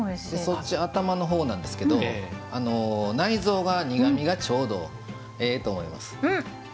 そっち頭のほうなんですけど内臓が苦みがちょうどええと思います。